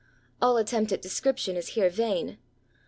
All attempt at description is here yain.